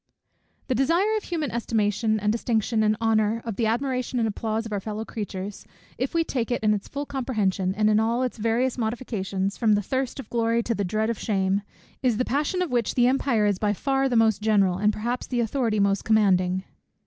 _ The desire of human estimation, and distinction, and honour, of the admiration and applause of our fellow creatures, if we take it in its full comprehension, and in all its various modifications, from the thirst of glory to the dread of shame, is the passion of which the empire is by far the most general, and perhaps the authority the most commanding.